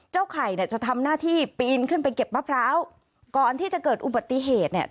ไข่เนี่ยจะทำหน้าที่ปีนขึ้นไปเก็บมะพร้าวก่อนที่จะเกิดอุบัติเหตุเนี่ย